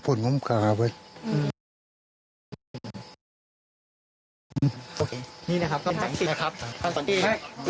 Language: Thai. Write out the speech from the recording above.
คนน้ำท้าย